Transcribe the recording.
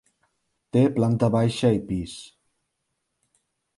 Té planta baixa i pis.